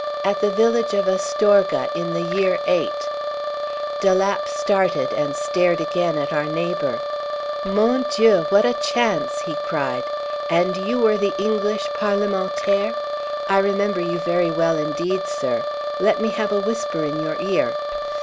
"At the village of Astorga, in the year '8." De Lapp started, and stared again at our neighbour. "Mon Dieu, what a chance!" he cried. "And you were the English parlementaire? I remember you very well indeed, sir. Let me have a whisper in your ear."